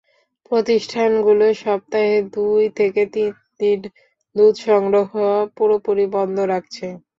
প্রতিষ্ঠানগুলো সপ্তাহে দুই থেকে তিন দিন দুধ সংগ্রহ পুরোপুরি বন্ধ রাখছে।